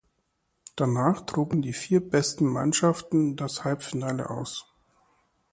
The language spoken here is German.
Danach trugen die vier besten Mannschaften das Halbfinale aus.